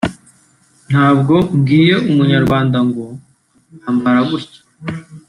Ntabwo mbwiye umunyarwanda ngo ambara gutya